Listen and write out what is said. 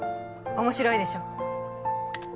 面白いでしょ？